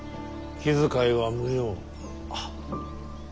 気遣いは無用。